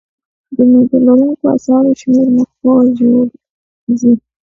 د نېټه لرونکو اثارو شمېر مخ په ځوړ ځي.